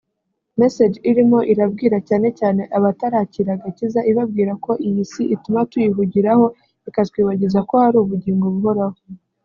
message irimo irabwira cyane cyane abatarakira agakiza ibabwira ko iyi si ituma tuyihugiraho ikatwibagiza ko hari ubugingo buhoraho